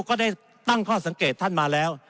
ก็ได้ตั้งข้อสังเกตท่านมาแล้ว